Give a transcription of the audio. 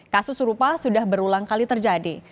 kasus serupa sudah berulang kali terjadi